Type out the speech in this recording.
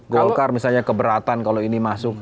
golkar misalnya keberatan kalau ini masuk